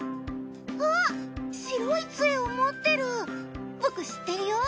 あっ白い杖を持ってる！